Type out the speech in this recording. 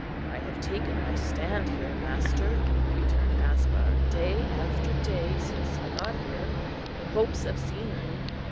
"I have taken my stand here, master," returned Aspar, "day after day, since I got here, in hopes of seeing you.